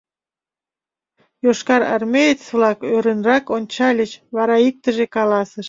Йошкарармеец-влак ӧрынрак ончальыч, вара иктыже каласыш: